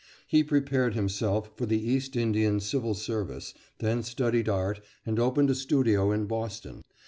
He prepared himself for the East Indian civil service, then studied art, and opened a studio in Boston.